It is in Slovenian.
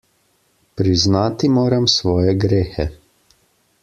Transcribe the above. Priznati moram svoje grehe.